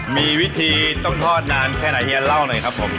มีวิธีต้องทอดนานแค่ไหนเฮียเล่าหน่อยครับผม